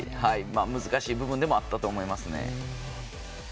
難しい部分でもあったと思いますね。